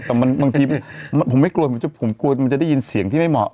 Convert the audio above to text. แต่บางทีผมไม่กลัวผมกลัวมันจะได้ยินเสียงที่ไม่เหมาะ